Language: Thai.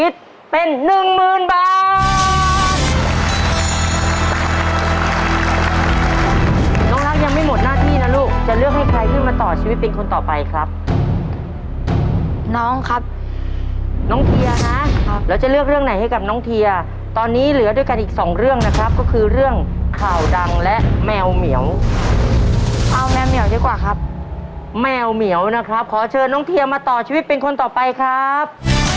ตัวเลือดที่หนึ่งจานที่หนึ่งครับ